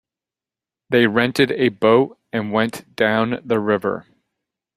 They rented a boat and went down the river.